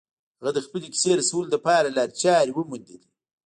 هغه د خپلې کیسې رسولو لپاره لارې چارې وموندلې